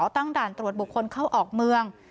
ตั้งด่านตรวจบุคคลเข้าออกเมือง